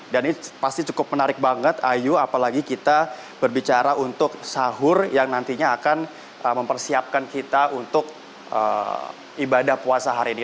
dan ini pasti cukup menarik banget ayu apalagi kita berbicara untuk sahur yang nantinya akan mempersiapkan kita untuk ibadah puasa hari ini